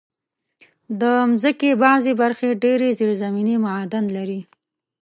د مځکې بعضي برخې ډېر زېرزمینې معادن لري.